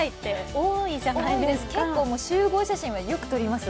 多いです、結構、集合写真はよく撮ります。